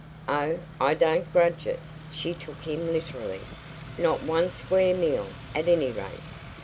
"Oh, I don't grudge it," she took him literally. "Not one square meal, at any rate.